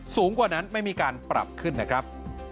สูงกว่านั้นไม่มีการปรับขึ้นนะครับ